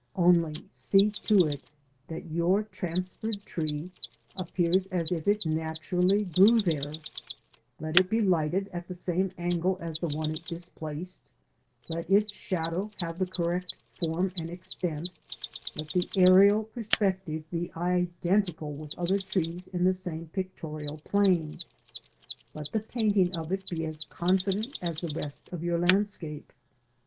Only see to it that your transferred tree appears as if it naturally grew there ; let it be lighted at the same angle as the one it displaced; let its shadow have the correct form and extent; let the aerial perspective be identical with other trees in the same pictorial plane ; let the painting of it be as confident as the rest of your landscape.